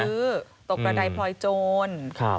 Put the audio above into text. เป็นไงฮะ